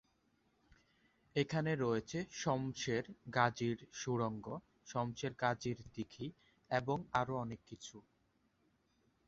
এখানে রয়েছে শমসের গাজীর সুড়ঙ্গ, শমসের গাজীর দীঘি এবং আরও অনেক কিছু।